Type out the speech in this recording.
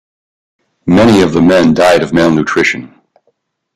Many of the men died of malnutrition.